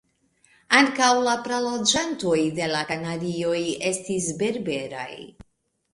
Ankaŭ la praloĝantoj de la Kanarioj estis berberaj.